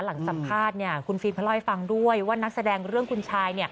หลังสัมภาษณ์คุณฟิล์มเขาเล่าให้ฟังด้วยว่านักแสดงเรื่องคุณชาย